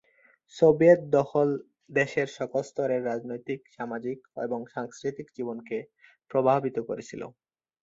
Soviet দখল দেশের সকল স্তরের রাজনৈতিক, সামাজিক এবং সাংস্কৃতিক জীবনকে প্রভাবিত করেছিল।